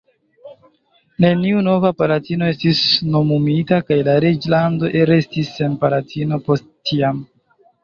Neniu nova palatino estis nomumita, kaj la reĝlando restis sen palatino post tiam.